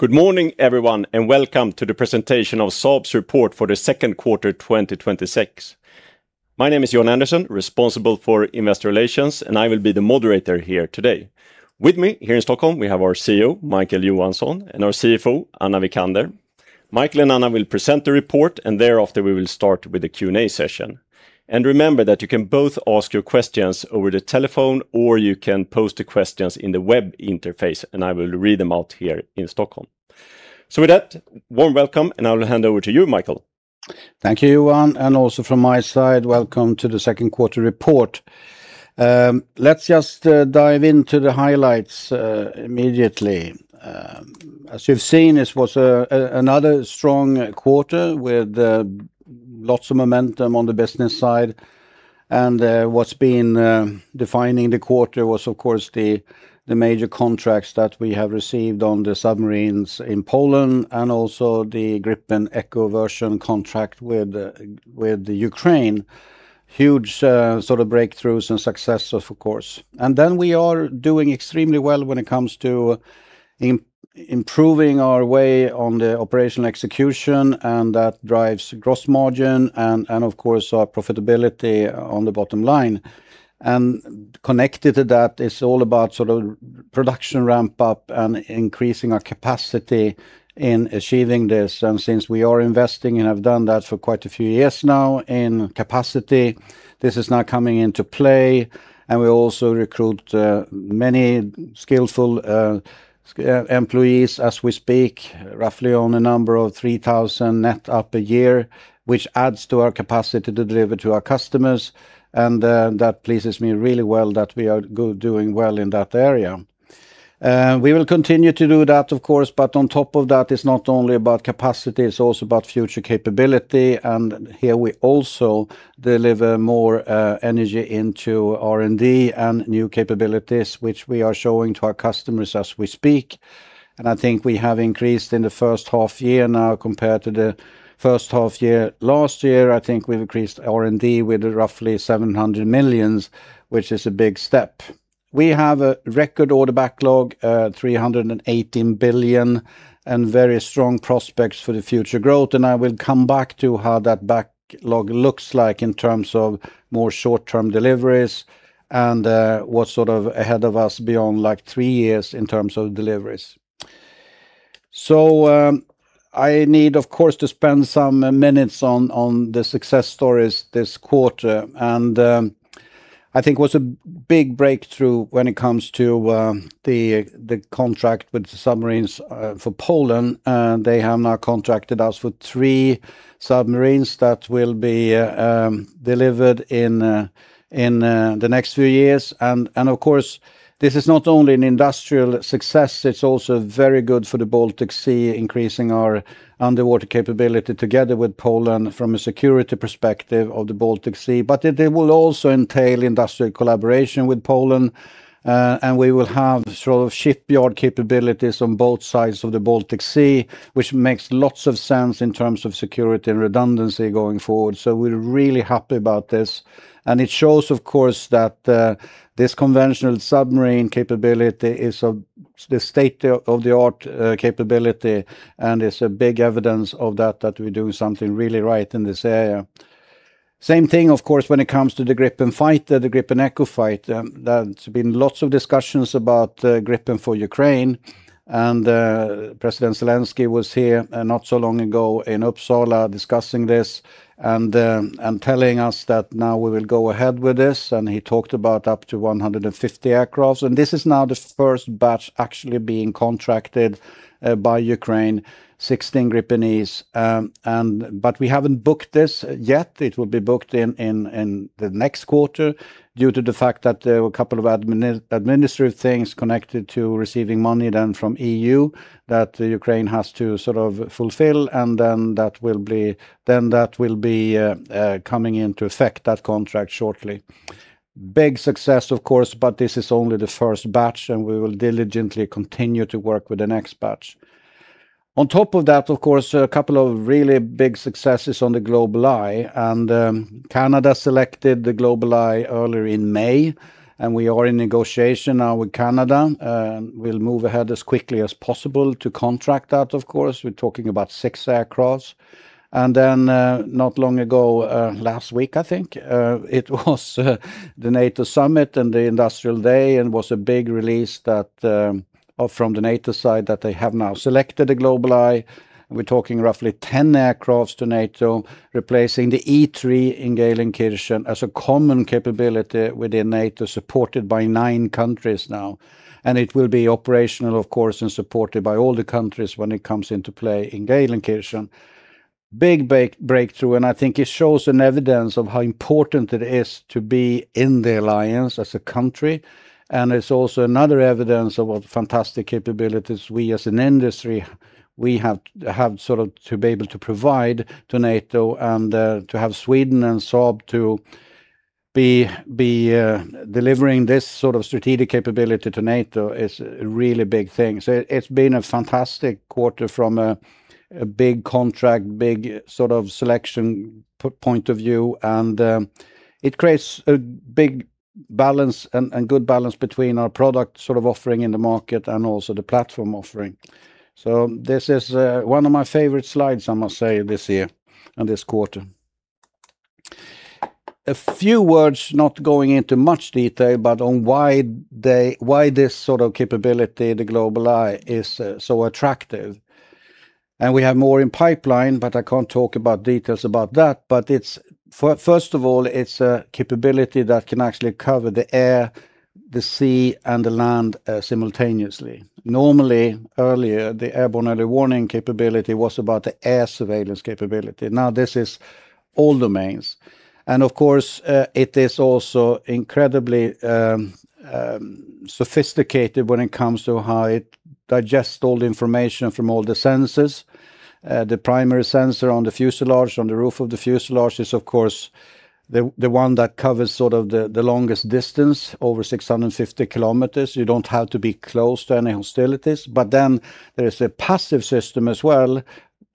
Good morning, everyone, and welcome to the presentation of Saab's report for the second quarter 2026. My name is Johan Andersson, responsible for investor relations, and I will be the moderator here today. With me here in Stockholm, we have our CEO, Micael Johansson, and our CFO, Anna Wijkander. Micael and Anna will present the report, and thereafter, we will start with the Q&A session. Remember that you can both ask your questions over the telephone, or you can post the questions in the web interface, and I will read them out here in Stockholm. With that, warm welcome, and I will hand over to you, Micael. Thank you, Johan, and also from my side, welcome to the second quarter report. Let's just dive into the highlights immediately. As you've seen, this was another strong quarter with lots of momentum on the business side. What's been defining the quarter was, of course, the major contracts that we have received on the submarines in Poland and also the Gripen E version contract with Ukraine. Huge breakthroughs and successes, of course. Then we are doing extremely well when it comes to improving our way on the operational execution, and that drives gross margin and of course, our profitability on the bottom line. Connected to that, it's all about production ramp-up and increasing our capacity in achieving this. Since we are investing and have done that for quite a few years now in capacity, this is now coming into play, and we also recruit many skillful employees as we speak, roughly on a number of 3,000 net up a year, which adds to our capacity to deliver to our customers. That pleases me really well that we are doing well in that area. We will continue to do that, of course, on top of that, it's not only about capacity, it's also about future capability. Here we also deliver more energy into R&D and new capabilities, which we are showing to our customers as we speak. I think we have increased in the first half year now compared to the first half year last year, I think we've increased R&D with roughly 700 million, which is a big step. We have a record order backlog, 318 billion, very strong prospects for the future growth. I will come back to how that backlog looks like in terms of more short-term deliveries and what's ahead of us beyond three years in terms of deliveries. I need, of course, to spend some minutes on the success stories this quarter, and I think it was a big breakthrough when it comes to the contract with the submarines for Poland. They have now contracted us for three submarines that will be delivered in the next few years. Of course, this is not only an industrial success, it's also very good for the Baltic Sea, increasing our underwater capability together with Poland from a security perspective of the Baltic Sea. It will also entail industrial collaboration with Poland. We will have shipyard capabilities on both sides of the Baltic Sea, which makes lots of sense in terms of security and redundancy going forward. We're really happy about this. It shows, of course, that this conventional submarine capability is the state-of-the-art capability, and it's a big evidence of that we're doing something really right in this area. Same thing, of course, when it comes to the Gripen fighter, the Gripen E fighter. There's been lots of discussions about Gripen for Ukraine. President Zelensky was here not so long ago in Uppsala discussing this and telling us that now we will go ahead with this. He talked about up to 150 aircraft. This is now the first batch actually being contracted by Ukraine, 16 Gripen Es. We haven't booked this yet. It will be booked in the next quarter due to the fact that there were a couple of administrative things connected to receiving money then from EU that Ukraine has to fulfill. That will be coming into effect, that contract, shortly. Big success, of course. This is only the first batch. We will diligently continue to work with the next batch. On top of that, of course, a couple of really big successes on the GlobalEye. Canada selected the GlobalEye earlier in May. We are in negotiation now with Canada. We'll move ahead as quickly as possible to contract that, of course. We're talking about six aircraft. Not long ago, last week, I think, it was the NATO summit and the industrial day. Was a big release from the NATO side that they have now selected a GlobalEye. We're talking roughly 10 aircraft to NATO, replacing the E-3A in Geilenkirchen as a common capability within NATO, supported by nine countries now. It will be operational, of course, supported by all the countries when it comes into play in Geilenkirchen. Big breakthrough. I think it shows an evidence of how important it is to be in the alliance as a country. It's also another evidence of what fantastic capabilities we, as an industry, we have to be able to provide to NATO. To have Sweden and Saab to be delivering this sort of strategic capability to NATO is a really big thing. It's been a fantastic quarter from a big contract, big selection point of view. It creates a big op- balance and good balance between our product offering in the market and also the platform offering. This is one of my favorite slides, I must say, this year and this quarter. A few words, not going into much detail, on why this sort of capability, the GlobalEye, is so attractive. We have more in pipeline. I can't talk about details about that. First of all, it's a capability that can actually cover the air, the sea, and the land simultaneously. Normally, earlier, the airborne early warning capability was about the air surveillance capability. Now, this is all domains. Of course, it is also incredibly sophisticated when it comes to how it digests all the information from all the sensors. The primary sensor on the fuselage, on the roof of the fuselage is, of course, the one that covers the longest distance, over 650 km. You don't have to be close to any hostilities. There is a passive system as well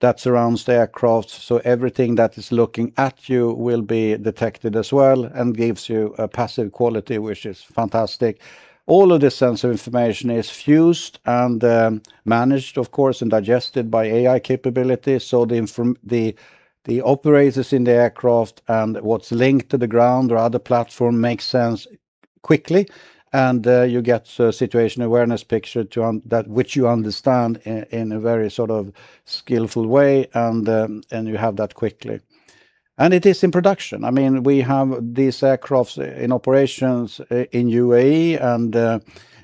that surrounds the aircraft. Everything that is looking at you will be detected as well and gives you a passive quality, which is fantastic. All of this sensor information is fused and managed, of course, and digested by AI capabilities. The operators in the aircraft and what's linked to the ground or other platform makes sense quickly, and you get a situation awareness picture which you understand in a very skillful way. You have that quickly. It is in production. We have these aircraft in operations in UAE, and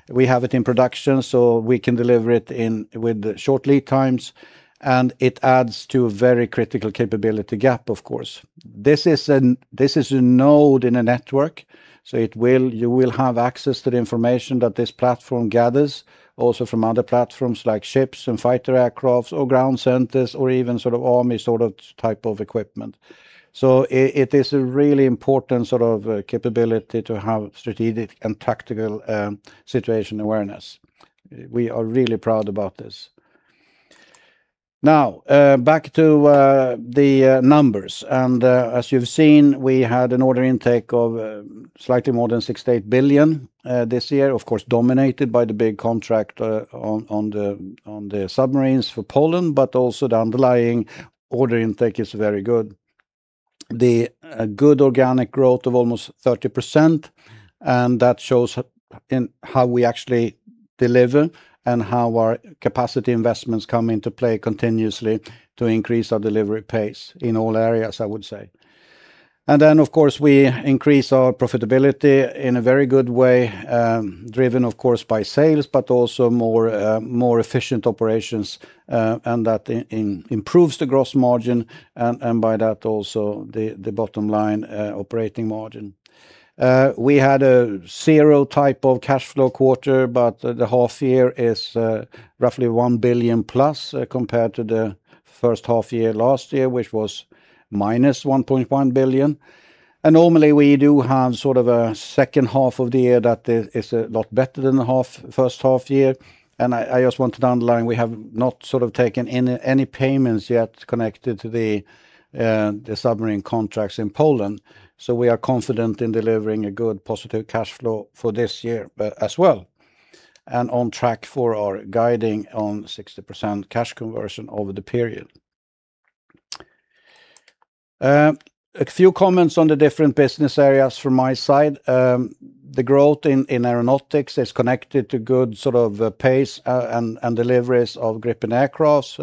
we have it in production, so we can deliver it with short lead times, and it adds to a very critical capability gap, of course. This is a node in a network, so you will have access to the information that this platform gathers, also from other platforms like ships and fighter aircraft or ground centers, or even army type of equipment. It is a really important capability to have strategic and tactical situation awareness. We are really proud about this. Now, back to the numbers. As you've seen, we had an order intake of slightly more than 68 billion this year, of course, dominated by the big contract on the submarines for Poland, but also the underlying order intake is very good. The good organic growth of almost 30%, and that shows how we actually deliver and how our capacity investments come into play continuously to increase our delivery pace in all areas, I would say. Of course, we increase our profitability in a very good way, driven of course by sales, but also more efficient operations, and that improves the gross margin, and by that, also the bottom line operating margin. We had a zero type of cash flow quarter, but the half year is roughly 1+ billion compared to the first half year last year, which was -1.1 billion. Normally we do have sort of a second half of the year that is a lot better than the first half year. I just want to underline, we have not taken any payments yet connected to the submarine contracts in Poland. We are confident in delivering a good positive cash flow for this year as well, and on track for our guiding on 60% cash conversion over the period. A few comments on the different business areas from my side. The growth in Aeronautics is connected to good pace and deliveries of Gripen aircraft,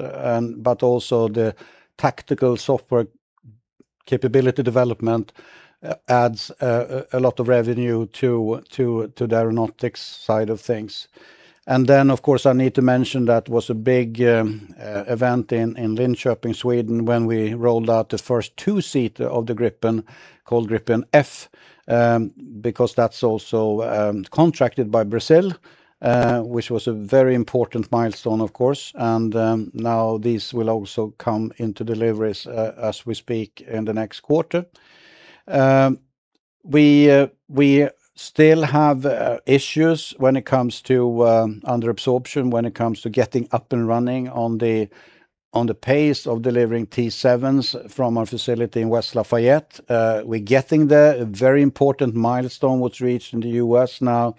but also the tactical software capability development adds a lot of revenue to the Aeronautics side of things. Of course, I need to mention that was a big event in Linköping, Sweden when we rolled out the first two-seater of the Gripen, called Gripen F, because that's also contracted by Brazil, which was a very important milestone, of course. Now these will also come into deliveries as we speak in the next quarter. We still have issues when it comes to under absorption, when it comes to getting up and running on the pace of delivering T-7s from our facility in West Lafayette. We're getting there. A very important milestone was reached in the U.S. now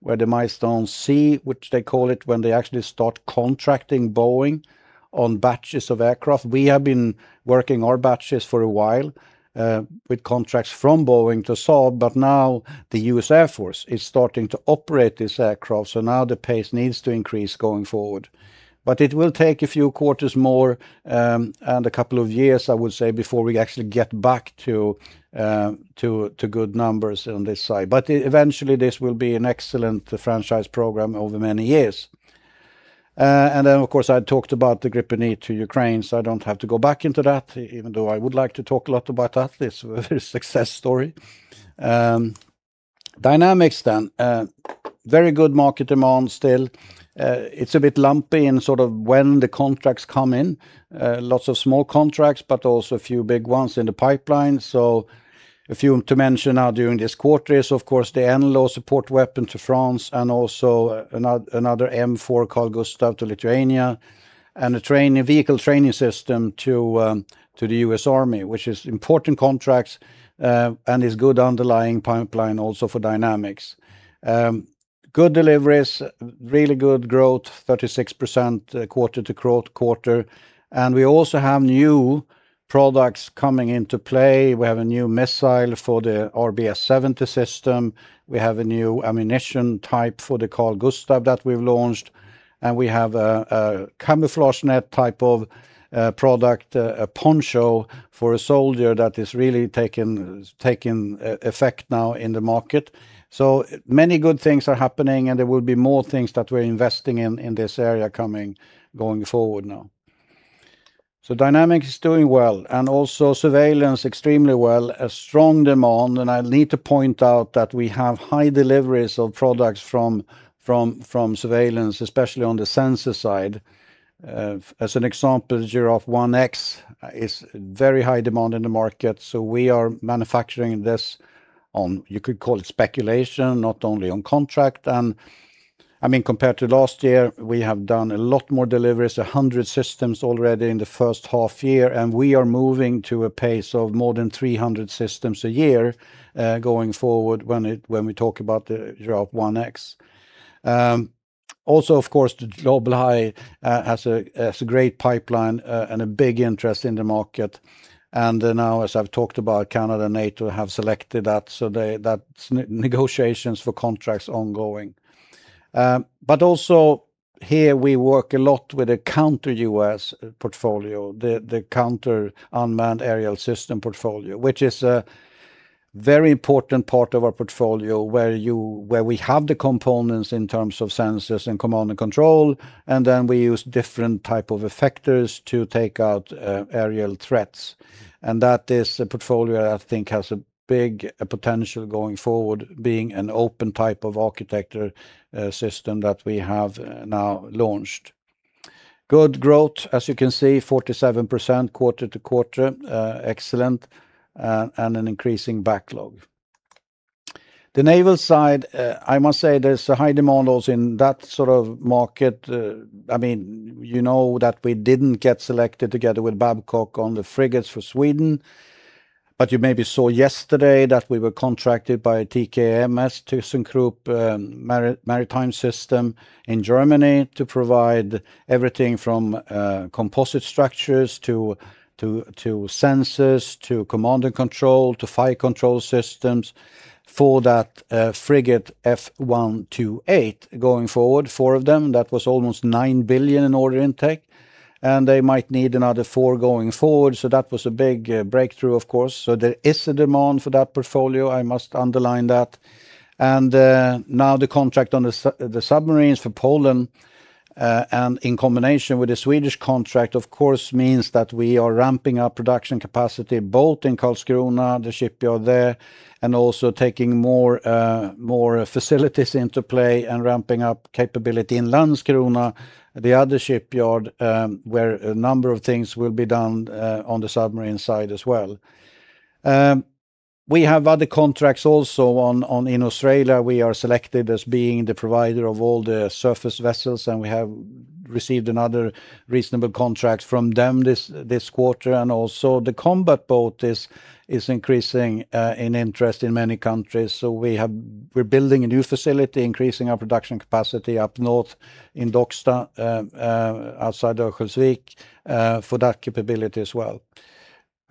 where the Milestone C, which they call it when they actually start contracting Boeing on batches of aircraft. We have been working our batches for a while with contracts from Boeing to Saab, but now the U.S. Air Force is starting to operate this aircraft. So now the pace needs to increase going forward. But it will take a few quarters more and a couple of years, I would say, before we actually get back to good numbers on this side. Eventually, this will be an excellent franchise program over many years. Of course, I talked about the Gripen E to Ukraine, so I don't have to go back into that, even though I would like to talk a lot about that. This success story. Dynamics. Very good market demand still. It's a bit lumpy in sort of when the contracts come in. Lots of small contracts, but also a few big ones in the pipeline. A few to mention are during this quarter is, of course, the NLAW support weapon to France and also another Carl-Gustaf M4 to Lithuania and a vehicle training system to the U.S. Army, which is important contracts, and is good underlying pipeline also for Dynamics. Good deliveries, really good growth, 36% quarter-over-quarter. We also have new products coming into play. We have a new missile for the RBS 70 system. We have a new ammunition type for the Carl-Gustaf that we've launched, and we have a camouflage net type of product, a poncho for a soldier that is really taking effect now in the market. Many good things are happening, and there will be more things that we're investing in this area going forward now. Dynamics is doing well and also Surveillance extremely well. A strong demand, and I need to point out that we have high deliveries of products from Surveillance, especially on the sensor side. As an example, Giraffe 1X is very high demand in the market, so we are manufacturing this on, you could call it speculation, not only on contract. Compared to last year, we have done a lot more deliveries, 100 systems already in the first half-year, and we are moving to a pace of more than 300 systems a year, going forward when we talk about the Giraffe 1X. Of course, the GlobalEye has a great pipeline, and a big interest in the market. As I've talked about Canada, NATO have selected that. That's negotiations for contracts ongoing. But also here we work a lot with a counter-UAS portfolio, the counter unmanned aerial system portfolio, which is a very important part of our portfolio, where we have the components in terms of sensors and command and control, and then we use different type of effectors to take out aerial threats. That is a portfolio I think has a big potential going forward, being an open type of architecture system that we have now launched. Good growth, as you can see, 47% quarter-over-quarter, excellent. An increasing backlog. Naval side, I must say there's a high demand also in that sort of market. That we didn't get selected together with Babcock on the frigates for Sweden, but you maybe saw yesterday that we were contracted by TKMS, ThyssenKrupp Marine Systems in Germany to provide everything from composite structures to sensors, to command and control, to fire control systems for that frigate F128 going forward, four of them. That was almost 9 billion in order intake, and they might need another four going forward. That was a big breakthrough, of course. There is a demand for that portfolio, I must underline that. Now the contract on the submarines for Poland, in combination with the Swedish contract, of course, means that we are ramping up production capacity both in Karlskrona, the shipyard there, and also taking more facilities into play and ramping up capability in Landskrona, the other shipyard, where a number of things will be done on the submarine side as well. We have other contracts also in Australia. We are selected as being the provider of all the surface vessels, and we have received another reasonable contract from them this quarter. The Combat Boat is increasing in interest in many countries. We're building a new facility, increasing our production capacity up north in Docksta, outside Örnsköldsvik, for that capability as well.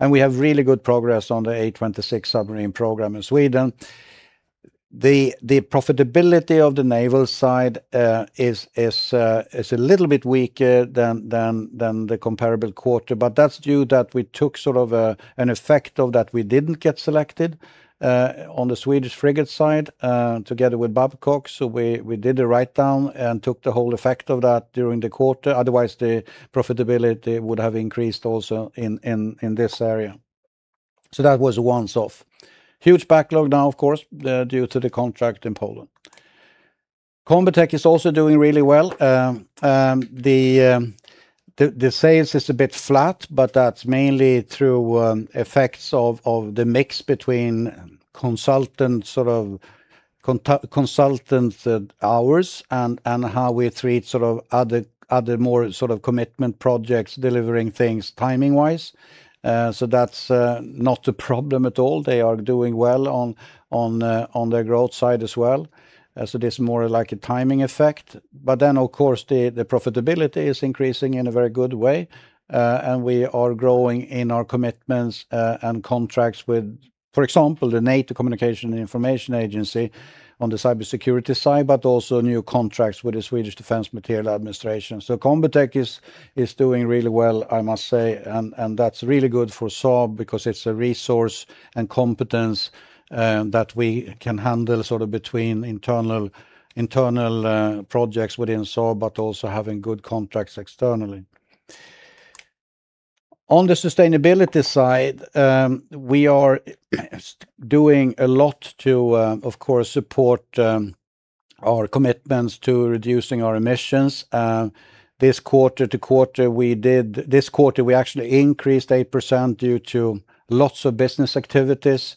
We have really good progress on the A26 submarine program in Sweden. The profitability of the Naval side is a little bit weaker than the comparable quarter, but that's due that we took sort of an effect of that we didn't get selected on the Swedish frigate side, together with Babcock. We did a write-down and took the whole effect of that during the quarter. Otherwise, the profitability would have increased also in this area. That was a once-off. Huge backlog now, of course, due to the contract in Poland. Combitech is also doing really well. The sales is a bit flat, but that's mainly through effects of the mix between consultant hours and how we treat other more commitment projects, delivering things timing-wise. That's not a problem at all. They are doing well on their growth side as well. It is more like a timing effect. Of course, the profitability is increasing in a very good way. We are growing in our commitments, and contracts with, for example, the NATO Communications and Information Agency on the cybersecurity side, but also new contracts with the Swedish Defence Materiel Administration. Combitech is doing really well, I must say, and that's really good for Saab because it's a resource and competence that we can handle between internal projects within Saab, but also having good contracts externally. On the sustainability side, we are doing a lot to, of course, support our commitments to reducing our emissions. This quarter, we actually increased 8% due to lots of business activities,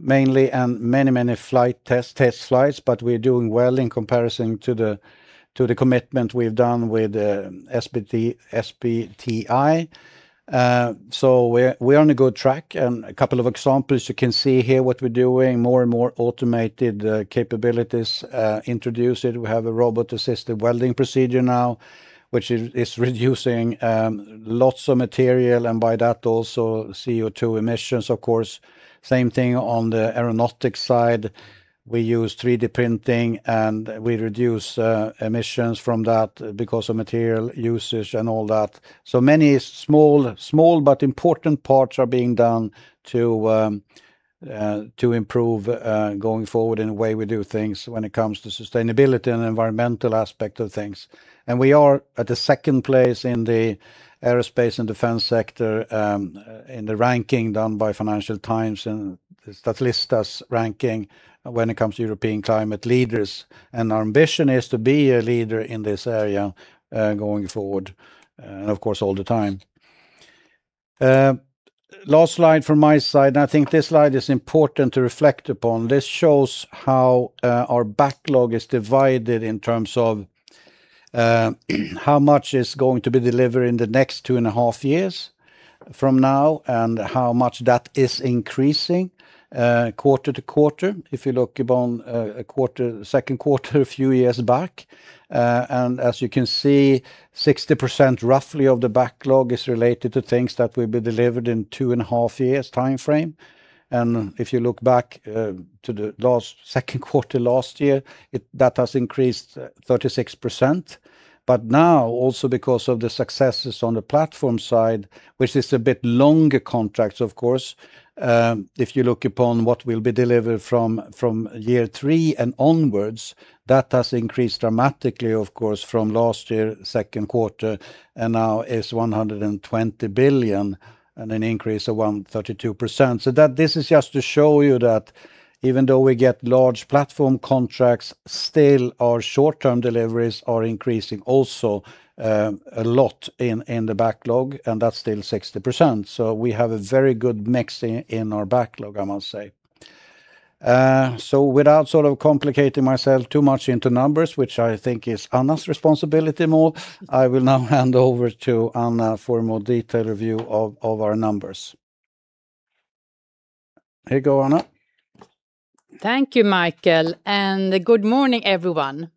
mainly, and many test flights, but we are doing well in comparison to the commitment we have done with SBTi. We are on a good track. A couple of examples you can see here what we're doing, more and more automated capabilities introduced. We have a robot-assisted welding procedure now, which is reducing lots of material, and by that also CO2 emissions, of course. Same thing on the Aeronautics side. We use 3D printing, and we reduce emissions from that because of material usage and all that. Many small but important parts are being done to improve, going forward, in the way we do things when it comes to sustainability and environmental aspect of things. We are at the second place in the aerospace and defense sector in the ranking done by "Financial Times" and Statista's ranking when it comes to European climate leaders. Our ambition is to be a leader in this area, going forward, and of course, all the time. Last slide from my side, I think this slide is important to reflect upon. This shows how our backlog is divided in terms of how much is going to be delivered in the next two and a half years from now, and how much that is increasing, quarter-to-quarter. If you look upon second quarter a few years back, as you can see, 60%, roughly, of the backlog is related to things that will be delivered in two and a half years' timeframe. If you look back to the second quarter last year, that has increased 36%. Now, also because of the successes on the platform side, which is a bit longer contracts, of course, if you look upon what will be delivered from year three and onwards, that has increased dramatically, of course, from last year, second quarter, and now is 120 billion, an increase of 132%. This is just to show you that even though we get large platform contracts, still our short-term deliveries are increasing also a lot in the backlog, and that's still 60%. We have a very good mix in our backlog, I must say. Without sort of complicating myself too much into numbers, which I think is Anna's responsibility more, I will now hand over to Anna for a more detailed review of our numbers. Here you go, Anna. Thank you, Micael, good morning, everyone.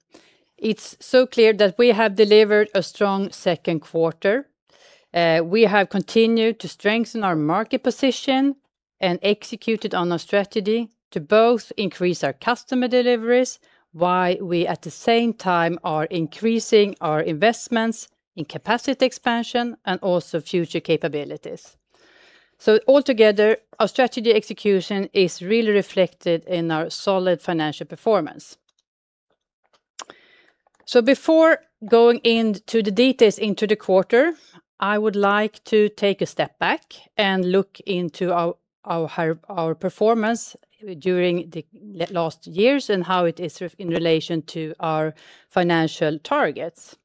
It's so clear that we have delivered a strong second quarter. We have continued to strengthen our market position and executed on our strategy to both increase our customer deliveries while we, at the same time, are increasing our investments in capacity expansion and also future capabilities. Altogether, our strategy execution is really reflected in our solid financial performance. Before going into the details into the quarter, I would like to take a step back and look into our performance during the last years and how it is in relation to our financial targets.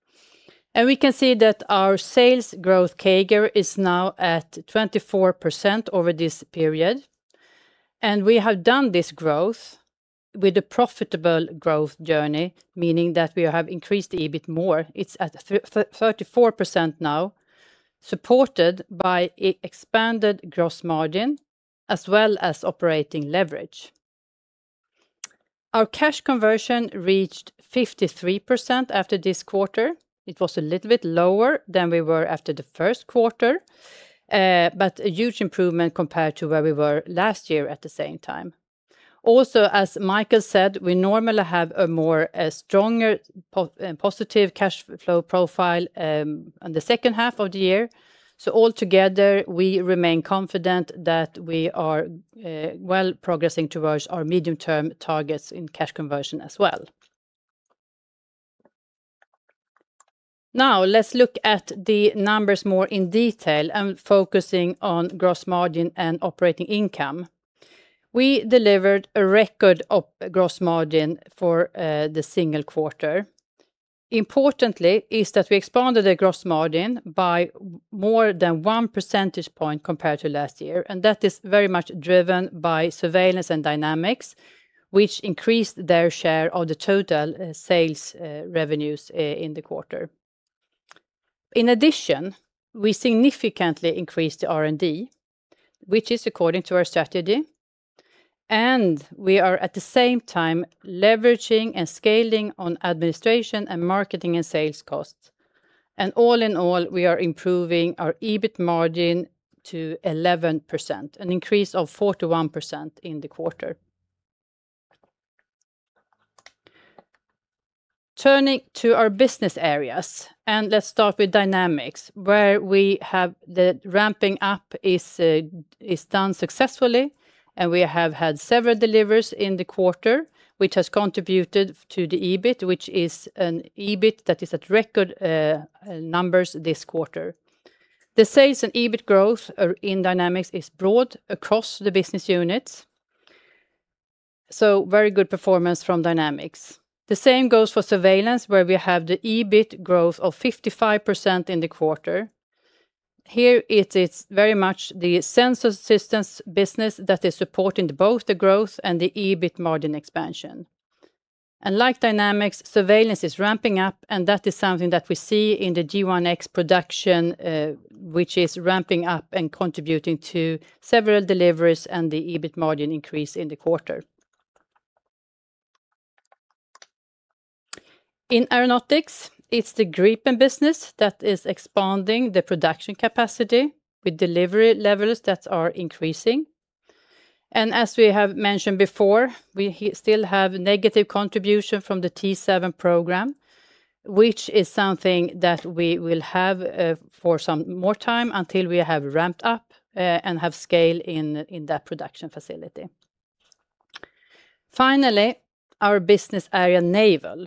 We can see that our sales growth CAGR is now at 24% over this period. We have done this growth with a profitable growth journey, meaning that we have increased EBIT more. It's at 34% now, supported by expanded gross margin as well as operating leverage. Our cash conversion reached 53% after this quarter. It was a little bit lower than we were after the first quarter, but a huge improvement compared to where we were last year at the same time. Also, as Micael said, we normally have a stronger positive cash flow profile on the second half of the year. Altogether, we remain confident that we are well progressing towards our medium-term targets in cash conversion as well. Let's look at the numbers more in detail and focusing on gross margin and operating income. We delivered a record gross margin for the single quarter. Importantly is that we expanded the gross margin by more than one percentage point compared to last year, and that is very much driven by Surveillance and Dynamics, which increased their share of the total sales revenues in the quarter. In addition, we significantly increased the R&D, which is according to our strategy, and we are at the same time leveraging and scaling on administration and marketing and sales costs. All in all, we are improving our EBIT margin to 11%, an increase of 41% in the quarter. Turning to our business areas, let's start with Dynamics, where the ramping up is done successfully, and we have had several deliveries in the quarter, which has contributed to the EBIT, which is an EBIT that is at record numbers this quarter. The sales and EBIT growth in Dynamics is broad across the business units. Very good performance from Dynamics. The same goes for Surveillance, where we have the EBIT growth of 55% in the quarter. Here, it's very much the sensor systems business that is supporting both the growth and the EBIT margin expansion. Like Dynamics, Surveillance is ramping up, and that is something that we see in the G1X production, which is ramping up and contributing to several deliveries and the EBIT margin increase in the quarter. In Aeronautics, it's the Gripen business that is expanding the production capacity with delivery levels that are increasing. As we have mentioned before, we still have negative contribution from the T-7 program, which is something that we will have for some more time until we have ramped up and have scale in that production facility. Finally, our business area, Naval.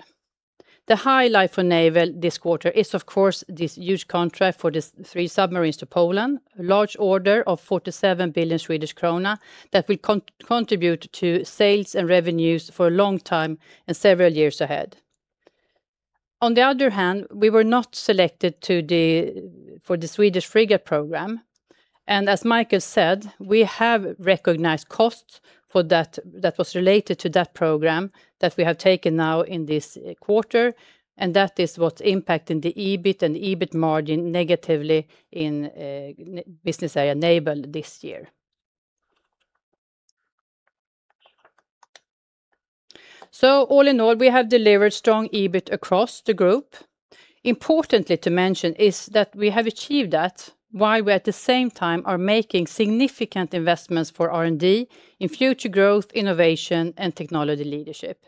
The highlight for Naval this quarter is, of course, this huge contract for these three submarines to Poland. A large order of 47 billion Swedish krona that will contribute to sales and revenues for a long time and several years ahead. On the other hand, we were not selected for the Swedish frigate program. As Micael said, we have recognized costs that was related to that program that we have taken now in this quarter, and that is what's impacting the EBIT and the EBIT margin negatively in business area Naval this year. All in all, we have delivered strong EBIT across the group. Importantly to mention is that we have achieved that while we, at the same time, are making significant investments for R&D in future growth, innovation, and technology leadership.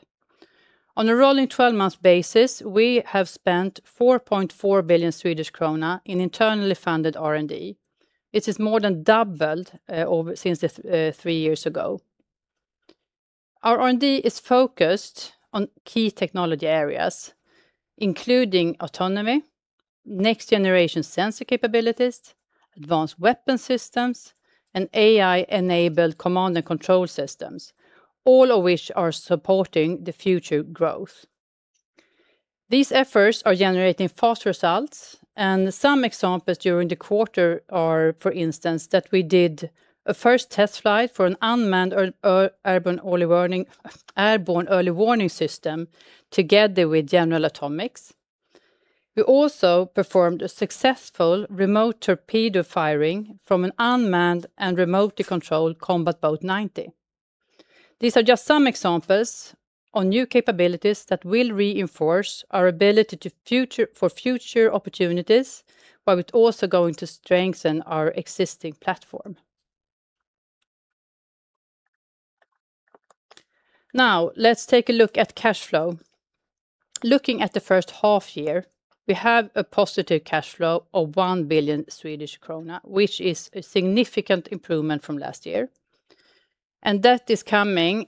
On a rolling 12-month basis, we have spent 4.4 billion Swedish krona in internally funded R&D. It is more than doubled since three years ago. Our R&D is focused on key technology areas, including autonomy, next-generation sensor capabilities, advanced weapon systems, and AI-enabled command and control systems, all of which are supporting the future growth. These efforts are generating fast results, and some examples during the quarter are, for instance, that we did a first test flight for an Unmanned Airborne Early Warning system together with General Atomics. We also performed a successful remote torpedo firing from an unmanned and remotely controlled Combat Boat 90. These are just some examples of new capabilities that will reinforce our ability for future opportunities, while it is also going to strengthen our existing platform. Let's take a look at cash flow. Looking at the first half year, we have a positive cash flow of 1 billion Swedish krona, which is a significant improvement from last year. That is coming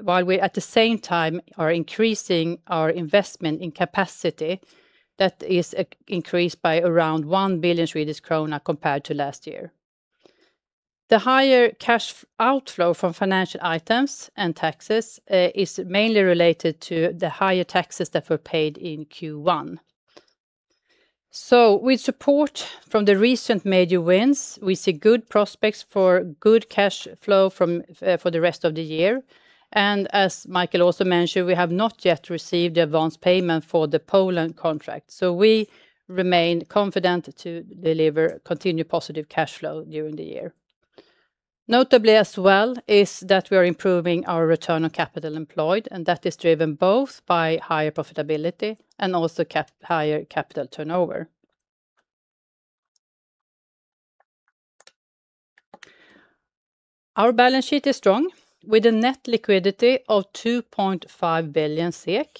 while we, at the same time, are increasing our investment in capacity. That is increased by around 1 billion Swedish krona compared to last year. The higher cash outflow from financial items and taxes is mainly related to the higher taxes that were paid in Q1. With support from the recent major wins, we see good prospects for good cash flow for the rest of the year. As Micael also mentioned, we have not yet received the advanced payment for the Poland contract, so we remain confident to deliver continued positive cash flow during the year. Notably as well is that we are improving our return on capital employed, and that is driven both by higher profitability and also higher capital turnover. Our balance sheet is strong, with a net liquidity of 2.5 billion SEK.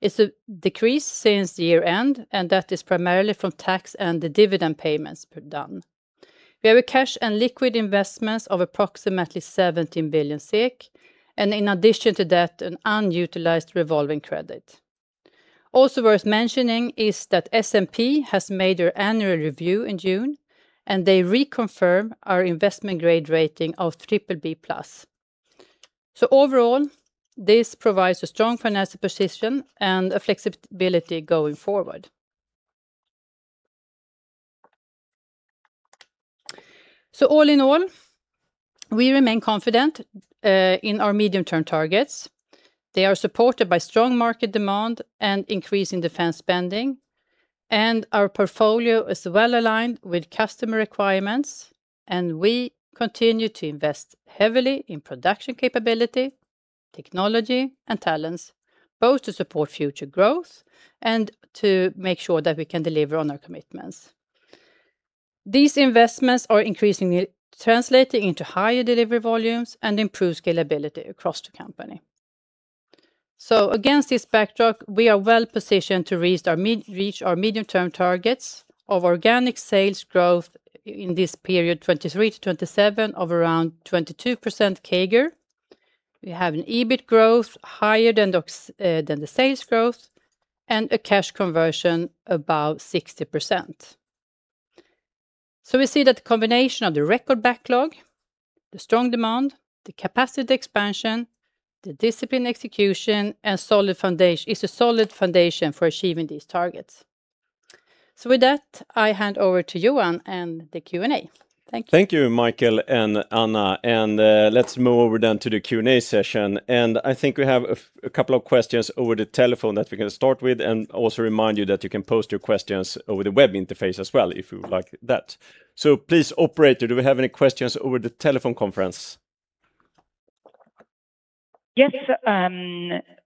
It is a decrease since year-end, and that is primarily from tax and the dividend payments done. We have a cash and liquid investments of approximately 17 billion SEK, and in addition to that, an unutilized revolving credit. Also worth mentioning is that S&P has made their annual review in June, and they reconfirm our investment grade rating of BBB+. Overall, this provides a strong financial position and a flexibility going forward. All in all, we remain confident in our medium-term targets. They are supported by strong market demand and increasing defense spending, and our portfolio is well-aligned with customer requirements, and we continue to invest heavily in production capability, technology, and talents, both to support future growth and to make sure that we can deliver on our commitments. These investments are increasingly translating into higher delivery volumes and improved scalability across the company. Against this backdrop, we are well positioned to reach our medium-term targets of organic sales growth in this period, 2023-2027, of around 22% CAGR. We have an EBIT growth higher than the sales growth and a cash conversion above 60%. We see that the combination of the record backlog, the strong demand, the capacity expansion, the discipline execution, is a solid foundation for achieving these targets. With that, I hand over to Johan and the Q&A. Thank you. Thank you, Micael and Anna. Let's move over then to the Q&A session. I think we have a couple of questions over the telephone that we can start with, and also remind you that you can post your questions over the web interface as well, if you would like that. Please, operator, do we have any questions over the telephone conference? Yes.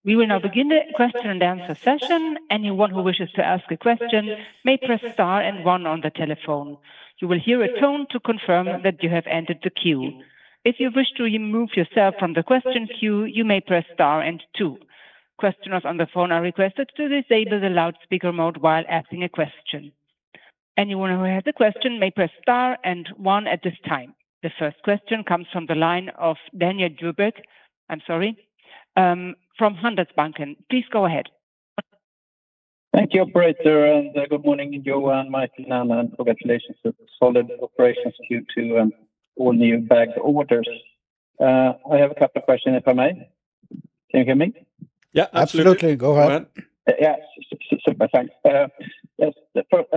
We will now begin the question and answer session. Anyone who wishes to ask a question may press star and one on the telephone. You will hear a tone to confirm that you have entered the queue. If you wish to remove yourself from the question queue, you may press star and two. Questioners on the phone are requested to disable the loudspeaker mode while asking a question. Anyone who has a question may press star and one at this time. The first question comes from the line of Daniel Djurberg from Handelsbanken. Please go ahead. Thank you, operator, and good morning, Johan, Micael, Anna, and congratulations on the solid operations due to all the new back orders. I have a couple of questions, if I may. Can you hear me? Yeah, absolutely. Go ahead. Yeah. Super. Thanks.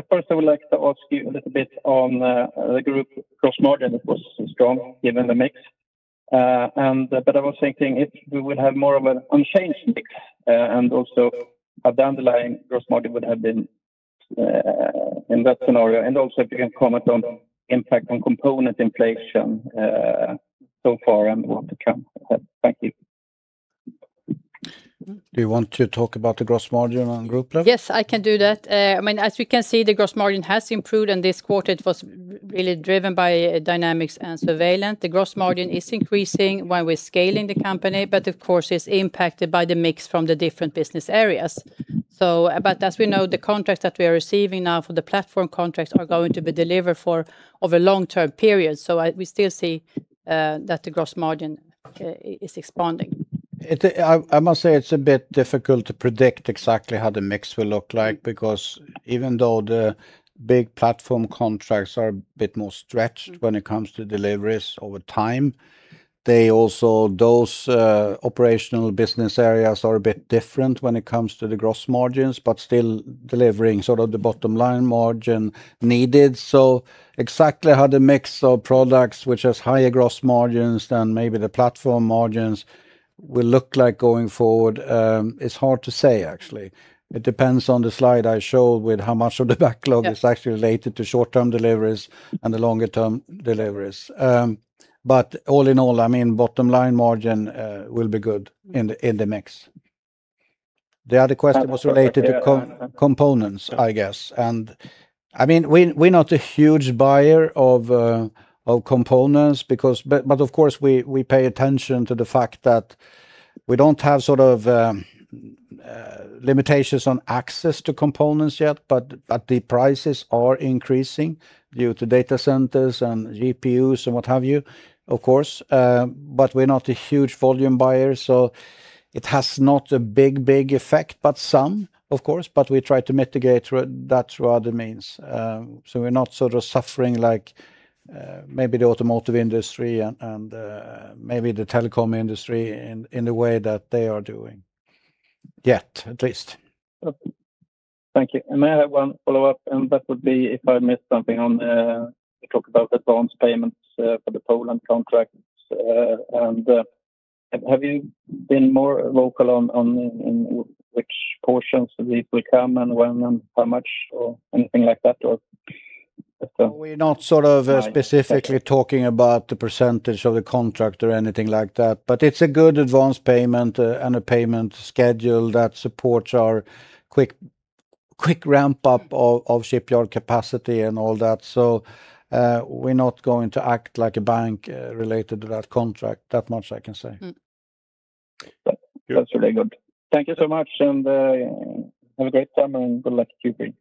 First I would like to ask you a little bit on the group gross margin. It was strong given the mix. I was thinking if we would have more of an unchanged mix, and also how the underlying gross margin would have been in that scenario. If you can comment on impact on component inflation so far and what to come. Thank you. Do you want to talk about the gross margin on group level? Yes, I can do that. As we can see, the gross margin has improved. In this quarter, it was really driven by Dynamics and Surveillance. The gross margin is increasing while we're scaling the company. Of course, it's impacted by the mix from the different business areas. As we know, the contracts that we are receiving now for the platform contracts are going to be delivered over long-term periods. We still see that the gross margin is expanding. I must say, it's a bit difficult to predict exactly how the mix will look like, because even though the big platform contracts are a bit more stretched when it comes to deliveries over time, those operational business areas are a bit different when it comes to the gross margins, but still delivering the bottom line margin needed. Exactly how the mix of products, which has higher gross margins than maybe the platform margins, will look like going forward, is hard to say, actually. It depends on the slide I showed with how much of the backlog is actually related to short-term deliveries and the longer-term deliveries. All in all, bottom line margin will be good in the mix. The other question was related to components, I guess. We're not a huge buyer of components, but of course, we pay attention to the fact that we don't have limitations on access to components yet, but the prices are increasing due to data centers and GPUs and what have you, of course. We're not a huge volume buyer, so it has not a big effect, but some, of course. We try to mitigate that through other means. We're not suffering like maybe the automotive industry and maybe the telecom industry in the way that they are doing. Yet, at least. Thank you. May I have one follow-up? That would be if I missed something on, you talked about advance payments for the Poland contracts. Have you been more vocal on which portions of these will come and when and how much or anything like that? We're not specifically talking about the percentage of the contract or anything like that, but it's a good advance payment and a payment schedule that supports our quick ramp-up of shipyard capacity and all that. We're not going to act like a bank related to that contract, that much I can say. That's really good. Thank you so much and have a great summer, and good luck at Q3.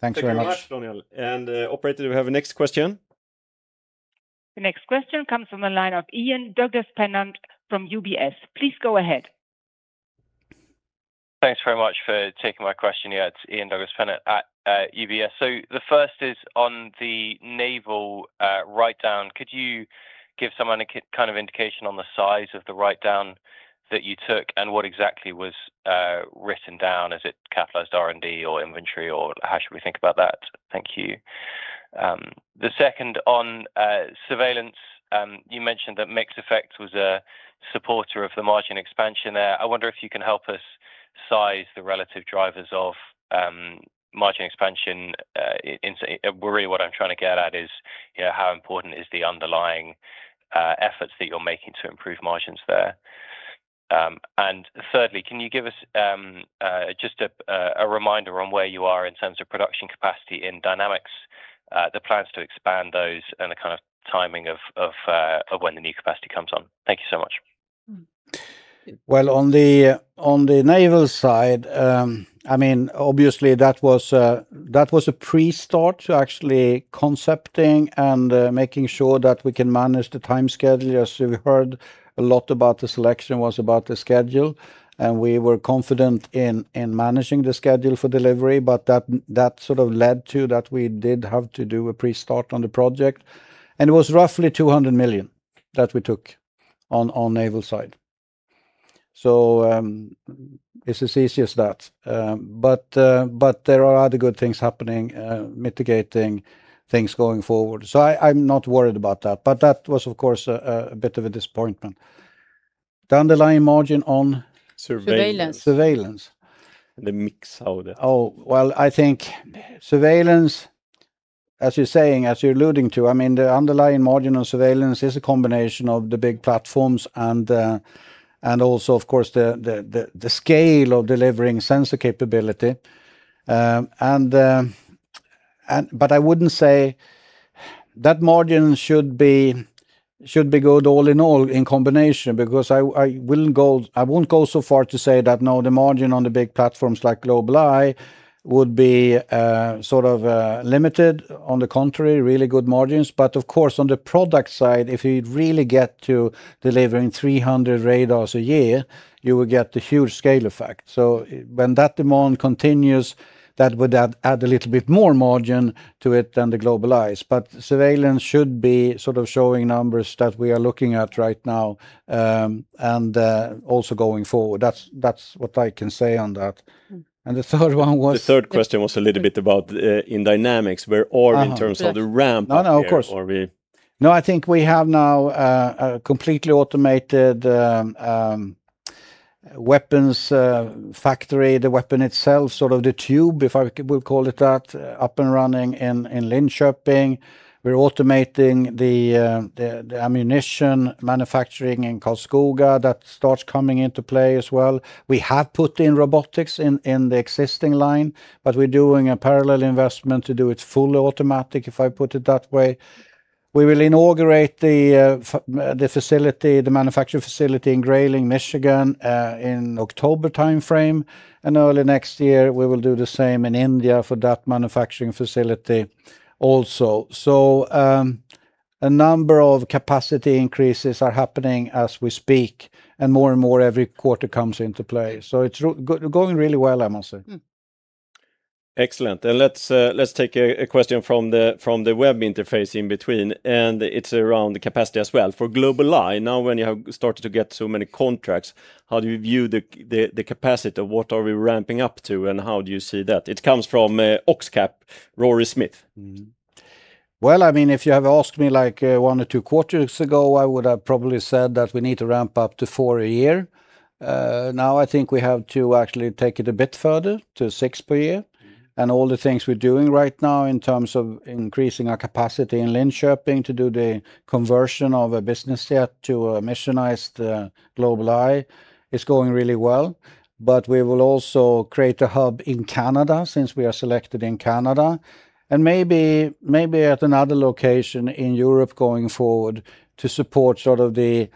Thanks very much. Thank you very much, Daniel. Operator, do we have a next question? The next question comes from the line of Ian Douglas-Pennant from UBS. Please go ahead. Thanks very much for taking my question. Yeah, it's Ian Douglas-Pennant at UBS. The first is on the Naval writedown. Could you give some kind of indication on the size of the writedown that you took and what exactly was written down? Is it capitalized R&D or inventory, or how should we think about that? Thank you. The second, on Surveillance, you mentioned that mix effect was a supporter of the margin expansion there. I wonder if you can help us size the relative drivers of margin expansion. Really what I'm trying to get at is, how important is the underlying efforts that you're making to improve margins there? Thirdly, can you give us just a reminder on where you are in terms of production capacity in Dynamics, the plans to expand those, and the kind of timing of when the new capacity comes on. Thank you so much. On the Naval side, obviously that was a pre-start to concepting and making sure that we can manage the time schedule. As we heard, a lot about the selection was about the schedule, and we were confident in managing the schedule for delivery, but that led to us having to do a pre-start on the project. It was roughly 200 million that we took on the Naval side. It's as easy as that. There are other good things happening, mitigating things going forward. I'm not worried about that, but that was of course a bit of a disappointment. The underlying margin on. Surveillance Surveillance The mix of the. I think Surveillance, as you're alluding to, the underlying margin on Surveillance is a combination of the big platforms and also the scale of delivering sensor capability. I wouldn't say that margin should be good all in all in combination, because I won't go so far to say that the margin on the big platforms like GlobalEye would be limited. On the contrary, really good margins. On the product side, if you really get to delivering 300 radars a year, you will get the huge scale effect. When that demand continues, that would add a little bit more margin to it than the GlobalEyes. Surveillance should be showing numbers that we are looking at right now, and also going forward. That's what I can say on that. The third one was. The third question was a little bit about in Dynamics, where are we in terms of the ramp up here? No, I think we have now a completely automated weapons factory. The weapon itself, the tube, if I will call it that, up and running in Linköping. We are automating the ammunition manufacturing in Karlskoga. That starts coming into play as well. We have put in robotics in the existing line, but we are doing a parallel investment to do it fully automatic, if I put it that way. We will inaugurate the manufacturing facility in Grayling, Michigan, in the October timeframe, and early next year we will do the same in India for that manufacturing facility also. A number of capacity increases are happening as we speak, and more and more every quarter comes into play. It is going really well, I must say. Excellent. Let's take a question from the web interface in between. It is around the capacity as well. For GlobalEye, now when you have started to get so many contracts, how do you view the capacity? What are we ramping up to, and how do you see that? It comes from OxCap, Rory Smith. If you have asked me one or two quarters ago, I would have probably said that we need to ramp up to four a year. Now I think we have to actually take it a bit further to six per year. All the things we are doing right now in terms of increasing our capacity in Linköping to do the conversion of a business jet to a missionized GlobalEye is going really well. We will also create a hub in Canada, since we are selected in Canada, and maybe at another location in Europe going forward to support the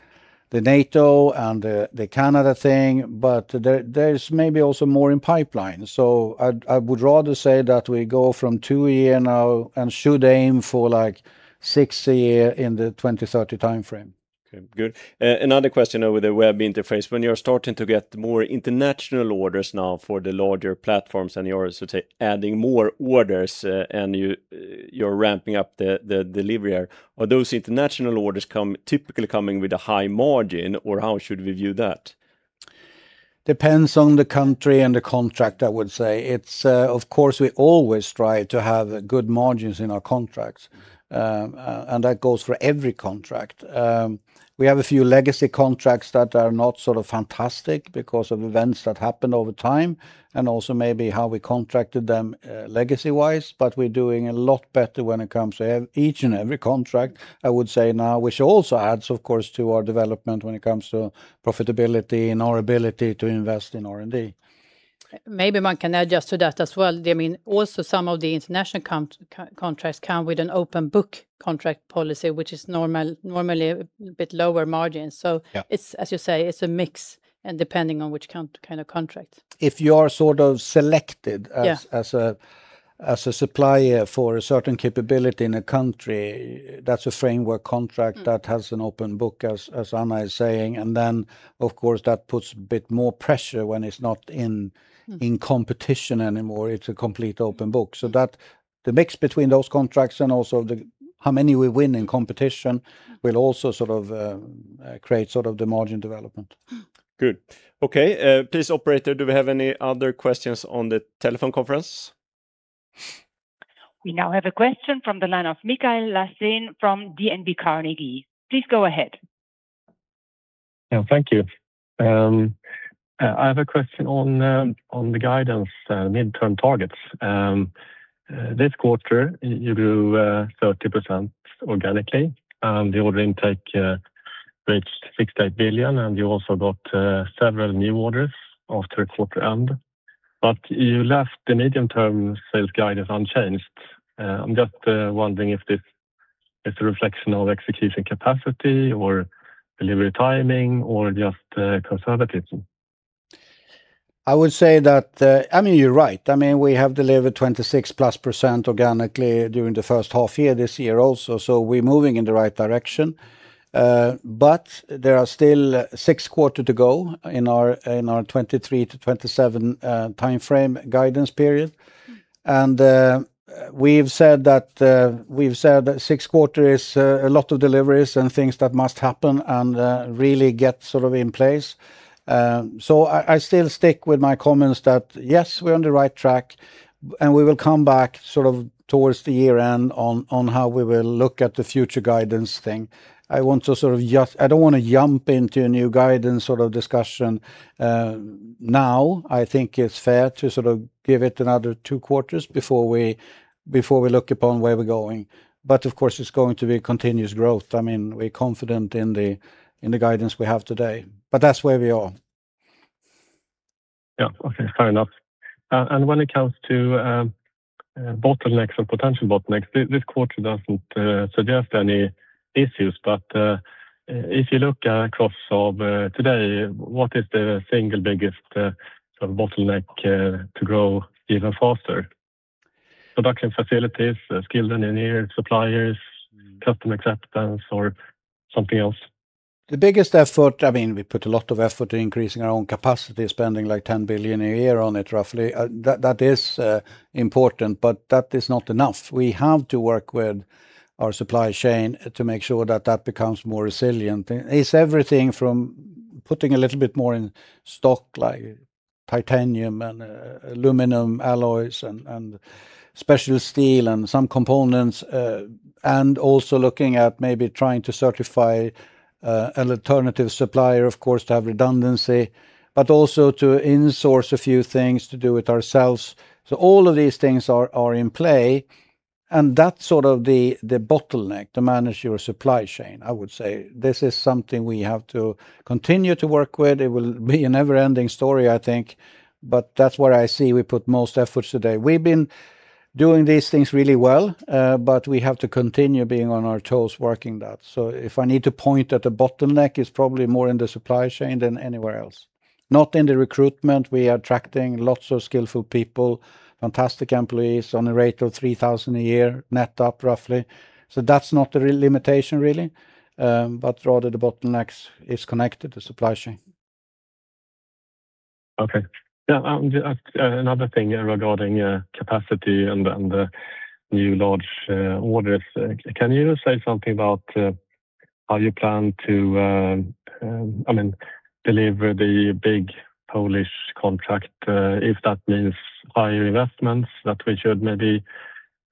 NATO and the Canada thing. There is maybe also more in pipeline. I would rather say that we go from two a year now and should aim for six a year in the 2030 timeframe. Okay, good. Another question over the web interface. When you're starting to get more international orders now for the larger platforms and you are adding more orders and you're ramping up the delivery, are those international orders typically coming with a high margin, or how should we view that? Depends on the country and the contract, I would say. Of course, we always try to have good margins in our contracts, and that goes for every contract. We have a few legacy contracts that are not fantastic because of events that happened over time, and also maybe how we contracted them legacy-wise. We're doing a lot better when it comes to each and every contract, I would say now, which also adds to our development when it comes to profitability and our ability to invest in R&D. Maybe one can add to that as well. Some of the international contracts come with an open-book contract policy, which is normally a bit lower margin. Yeah. As you say, it's a mix, and depending on which kind of contract. If you are selected- Yeah as a supplier for a certain capability in a country, that's a framework contract that has an open book, as Anna is saying. That puts a bit more pressure when it's not in competition anymore. It's a complete open book. The mix between those contracts and also how many we win in competition will also create the margin development. Good. Okay. Please, operator, do we have any other questions on the telephone conference? We now have a question from the line of Mikael Laséen from DNB Carnegie. Please go ahead. Thank you. I have a question on the guidance midterm targets. This quarter, you grew 30% organically, and the order intake reached 68 billion, and you also got several new orders after the quarter end. You left the medium-term sales guidance unchanged. I'm just wondering if this is a reflection of execution capacity or delivery timing, or just conservatism? I would say that you're right. We have delivered 26+% organically during the first half year this year also, we're moving in the right direction. There are still six quarters to go in our 2023-2027 timeframe guidance period. We've said that six quarters is a lot of deliveries and things that must happen and really get in place. I still stick with my comments that, yes, we're on the right track, and we will come back towards the year-end on how we will look at the future guidance thing. I don't want to jump into a new guidance sort of discussion now. I think it's fair to give it another two quarters before we look upon where we're going. Of course, it's going to be continuous growth. We're confident in the guidance we have today, that's where we are. Okay, fair enough. When it comes to bottlenecks or potential bottlenecks, this quarter doesn't suggest any issues. If you look across Saab today, what is the single biggest bottleneck to grow even faster? Production facilities, skilled engineers, suppliers, customer acceptance, or something else? The biggest effort, we put a lot of effort into increasing our own capacity, spending like 10 billion a year on it, roughly. That is important, but that is not enough. We have to work with our supply chain to make sure that that becomes more resilient. It's everything from putting a little bit more in stock, like titanium and aluminum alloys and special steel and some components. Also looking at maybe trying to certify an alternative supplier, of course, to have redundancy, but also to insource a few things to do it ourselves. All of these things are in play, and that's sort of the bottleneck to manage your supply chain, I would say. This is something we have to continue to work with. It will be a never-ending story, I think, but that's where I see we put most efforts today. We've been doing these things really well, we have to continue being on our toes working that. If I need to point at a bottleneck, it's probably more in the supply chain than anywhere else. Not in the recruitment. We are attracting lots of skillful people, fantastic employees, on a rate of 3,000 a year, net up, roughly. That's not the real limitation, really. Rather the bottleneck is connected to supply chain. Okay, yeah, another thing regarding capacity and the new large orders. Can you say something about how you plan to deliver the big Polish contract? If that means higher investments that we should maybe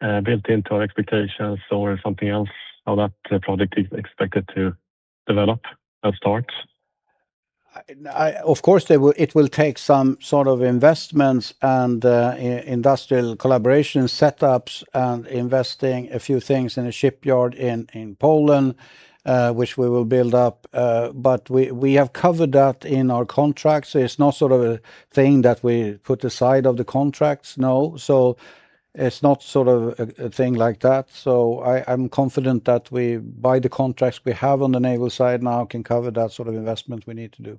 build into our expectations or something else? How that project is expected to develop at start? Of course, it will take some sort of investments and industrial collaboration setups and investing a few things in a shipyard in Poland, which we will build up. We have covered that in our contracts. It's not a thing that we put aside of the contracts. No. It's not a thing like that. I'm confident that by the contracts we have on the Naval side now can cover that sort of investment we need to do.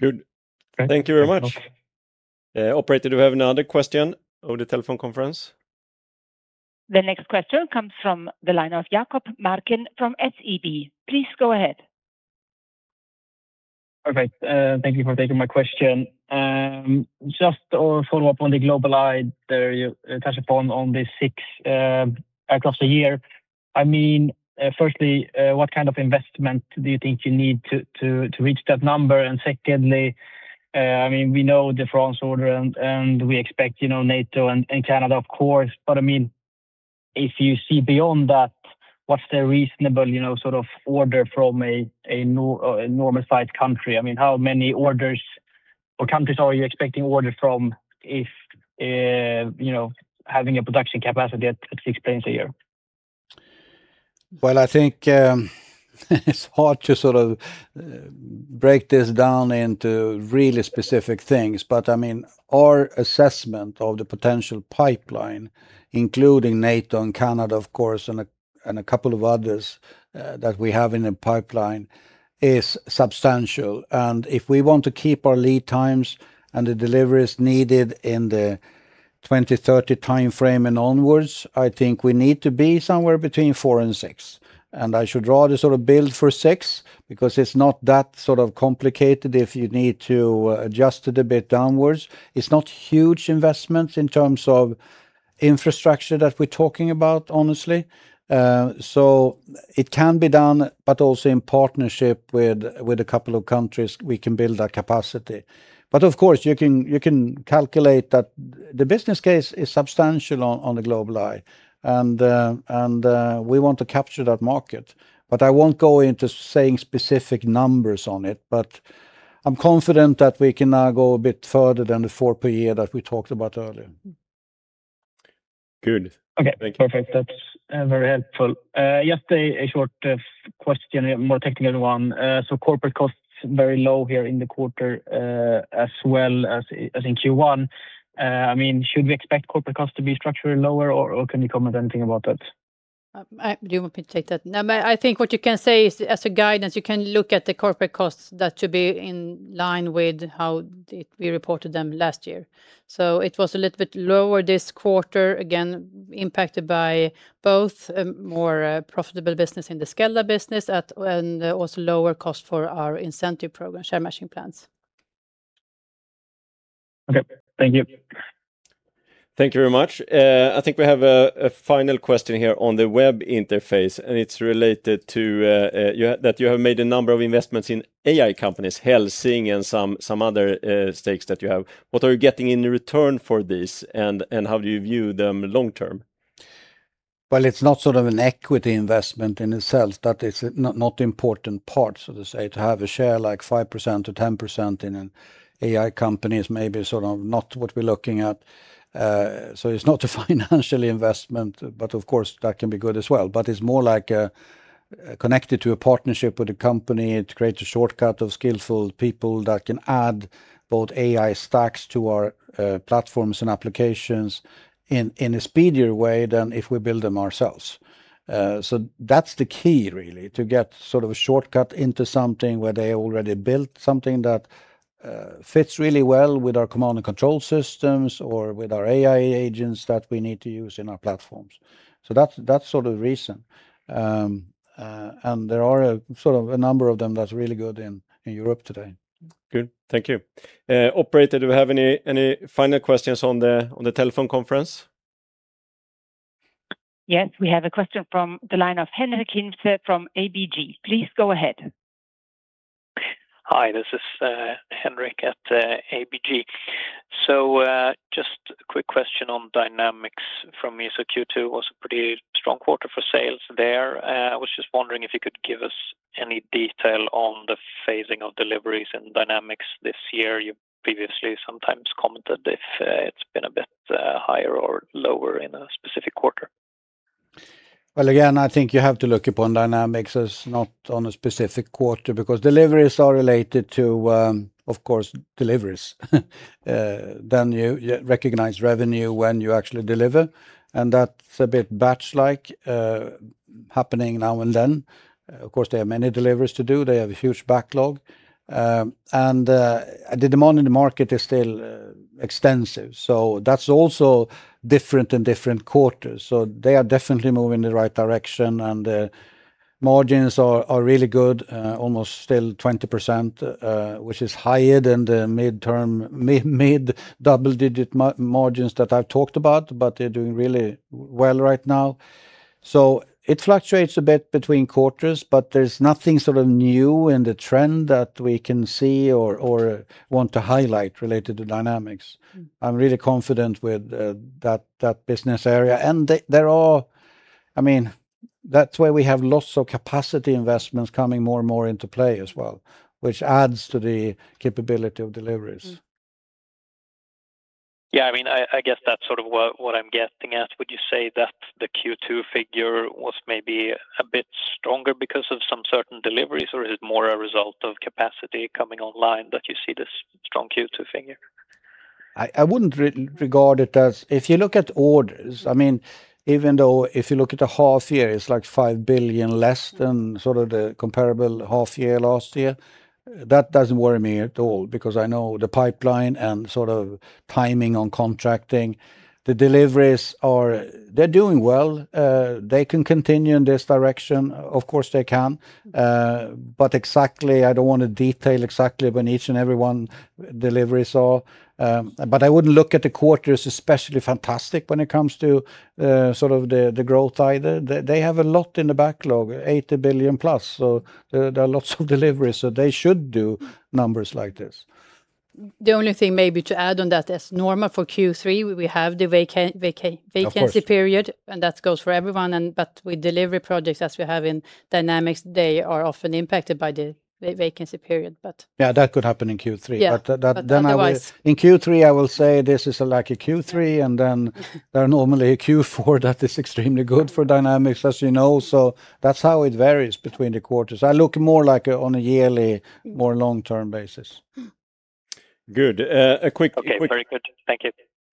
Good. Thank you very much. Okay. Operator, do you have another question on the telephone conference? The next question comes from the line of Jakob Marken from SEB. Please go ahead. Perfect. Thank you for taking my question. Just a follow-up on the GlobalEye that you touched upon on the six across the year. Firstly, what kind of investment do you think you need to reach that number? Secondly, we know the France order, and we expect NATO and Canada, of course, but if you see beyond that, what's a reasonable sort of order from a normalized country? How many orders or countries are you expecting orders from if having a production capacity at six planes a year? Well, I think it's hard to sort of break this down into really specific things, but our assessment of the potential pipeline, including NATO and Canada, of course, and a couple of others that we have in the pipeline, is substantial. If we want to keep our lead times and the deliveries needed in the 2030 timeframe and onwards, I think we need to be somewhere between four and six. I should rather sort of build for six, because it's not that sort of complicated if you need to adjust it a bit downwards. It's not huge investments in terms of infrastructure that we're talking about, honestly. It can be done, but also in partnership with a couple of countries, we can build that capacity. Of course, you can calculate that the business case is substantial on the GlobalEye, and we want to capture that market. I won't go into saying specific numbers on it, but I'm confident that we can now go a bit further than the four per year that we talked about earlier. Good. Thank you. Okay, perfect. That's very helpful. Just a short question, a more technical one. Corporate costs very low here in the quarter, as well as in Q1. Should we expect corporate costs to be structurally lower, or can you comment anything about that? Do you want me to take that? I think what you can say is, as a guidance, you can look at the corporate costs that should be in line with how we reported them last year. It was a little bit lower this quarter, again impacted by both a more profitable business in the Skeldar business and also lower cost for our incentive program, share matching plans. Okay. Thank you. Thank you very much. It's related to that you have made a number of investments in AI companies, Helsing and some other stakes that you have. What are you getting in return for this, and how do you view them long term? Well, it's not an equity investment in itself. That is not the important part, so to say. To have a share 5%-10% in an AI company is maybe not what we're looking at. It's not a financial investment, of course, that can be good as well. It's more connected to a partnership with a company to create a shortcut of skillful people that can add both AI stacks to our platforms and applications in a speedier way than if we build them ourselves. That's the key, really, to get a shortcut into something where they already built something that fits really well with our command and control systems or with our AI agents that we need to use in our platforms. That's the reason. There are a number of them that's really good in Europe today. Good. Thank you. Operator, do we have any final questions on the telephone conference? Yes, we have a question from the line of Henric Hintze from ABG. Please go ahead. Hi, this is Henric at ABG. Just a quick question on Dynamics from me. Q2 was a pretty strong quarter for sales there. I was just wondering if you could give us any detail on the phasing of deliveries and Dynamics this year. You previously sometimes commented if it's been a bit higher or lower in a specific quarter. Well, again, I think you have to look upon Dynamics as not on a specific quarter, because deliveries are related to, of course, deliveries. You recognize revenue when you actually deliver, and that's a bit batch-like, happening now and then. Of course, they have many deliveries to do. They have a huge backlog. The demand in the market is still extensive. That's also different in different quarters. They are definitely moving in the right direction, and the margins are really good, almost still 20%, which is higher than the mid double-digit margins that I've talked about. They're doing really well right now. It fluctuates a bit between quarters, but there's nothing new in the trend that we can see or want to highlight related to Dynamics. I'm really confident with that business area. That's why we have lots of capacity investments coming more and more into play as well, which adds to the capability of deliveries. Yeah, I guess that's what I'm getting at. Would you say that the Q2 figure was maybe a bit stronger because of some certain deliveries, or is it more a result of capacity coming online that you see this strong Q2 figure? I wouldn't regard it as. If you look at orders, even though if you look at the half year, it's 5 billion less than the comparable half year last year. That doesn't worry me at all because I know the pipeline and timing on contracting. The deliveries, they're doing well. They can continue in this direction. Of course, they can. Exactly, I don't want to detail exactly when each and every one deliveries are. I wouldn't look at the quarters especially fantastic when it comes to the growth either. They have a lot in the backlog, 80 billion plus, so there are lots of deliveries, so they should do numbers like this. The only thing maybe to add on that, as normal for Q3, we have. Of course vacancy period, that goes for everyone. With delivery projects as we have in Dynamics, they are often impacted by the vacancy period. Yeah, that could happen in Q3. Yeah. In Q3, I will say this is like a Q3, then there are normally a Q4 that is extremely good for Dynamics, as you know. That's how it varies between the quarters. I look more on a yearly, more long-term basis. Good. Okay. Very good. Thank you.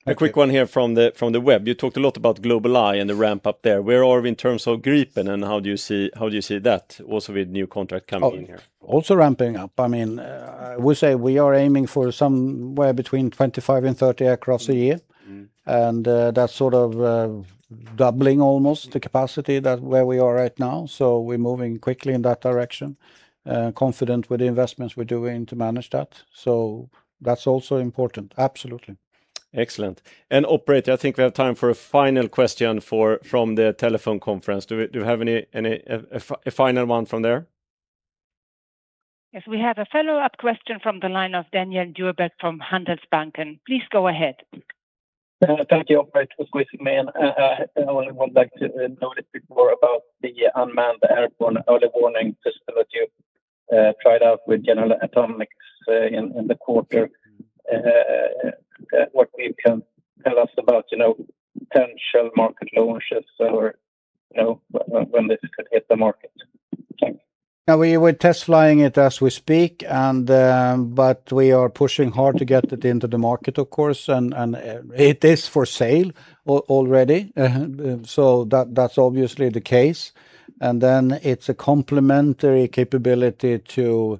A quick one here from the web. You talked a lot about GlobalEye and the ramp-up there. Where are we in terms of Gripen, and how do you see that also with new contract coming in here? Also ramping up. We say we are aiming for somewhere between 25 and 30 across the year. That's doubling almost the capacity that where we are right now. We're moving quickly in that direction, confident with the investments we're doing to manage that. That's also important, absolutely. Excellent. Operator, I think we have time for a final question from the telephone conference. Do you have a final one from there? Yes, we have a follow-up question from the line of Daniel Djurberg from Handelsbanken. Please go ahead. Thank you, operator, for squeezing me in. I want to go back to a note before about the Unmanned Airborne Early Warning system that you tried out with General Atomics in the quarter. What you can tell us about potential market launches or when this could hit the market? Thank you. We're test flying it as we speak. We are pushing hard to get it into the market, of course. It is for sale already, so that's obviously the case. It's a complementary capability to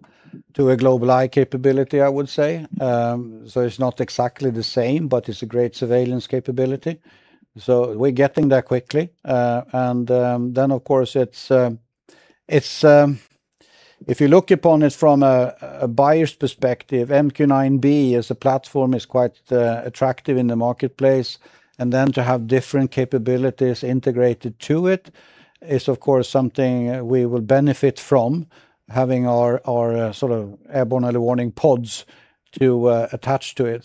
a GlobalEye capability, I would say. It's not exactly the same, but it's a great surveillance capability. We're getting there quickly. Of course, if you look upon it from a buyer's perspective, MQ-9B as a platform is quite attractive in the marketplace. To have different capabilities integrated to it is, of course, something we will benefit from, having our airborne early warning pods to attach to it.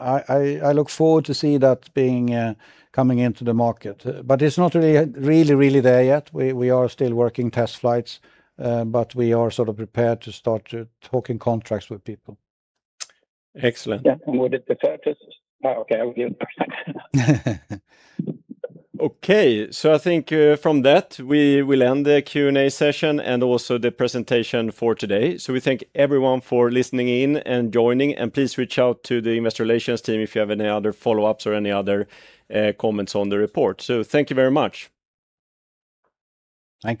I look forward to see that coming into the market. It's not really there yet. We are still working test flights, but we are prepared to start talking contracts with people. Excellent. Yeah, would it be purchased? Oh, okay. I won't give the price. Okay, I think from that, we will end the Q&A session and also the presentation for today. We thank everyone for listening in and joining. Please reach out to the investor relations team if you have any other follow-ups or any other comments on the report. Thank you very much. Thank you